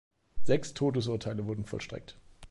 Sechs Todesurteile wurden vollstreckt.